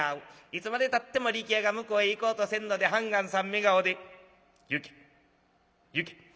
いつまでたっても力弥が向こうへ行こうとせんので判官さん目顔で『行け行け』。